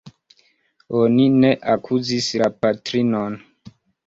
Oni ne akuzis la patrinon.